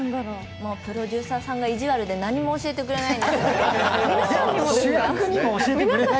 もうプロデューサーさんが意地悪で何も教えてくれないんですよ。